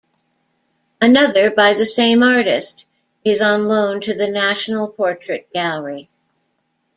Another, by the same artist, is on loan to the National Portrait Gallery.